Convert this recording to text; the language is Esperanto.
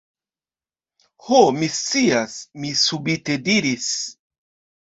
Ho! mi scias! mi subite diris.